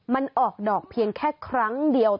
มันออกดอกเพียงแค่ครั้งเดียว